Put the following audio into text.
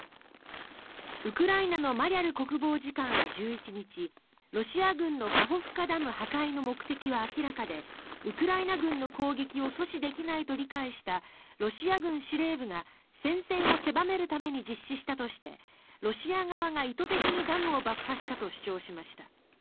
ウクライナのマリャル国防次官は１１日ロシア軍のカホフカダム破壊の目的は明らかでウクライナ軍の攻撃を阻止できないと理解したロシア軍司令部が戦線を狭めるために実施したとしてロシア側が意図的にダムを爆破したと主張しました。